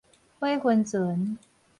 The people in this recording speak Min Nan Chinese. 火熏船